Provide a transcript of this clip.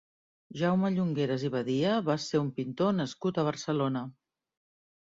Jaume Llongueras i Badia va ser un pintor nascut a Barcelona.